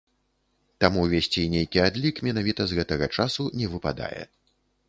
Таму весці нейкі адлік менавіта з гэтага часу не выпадае.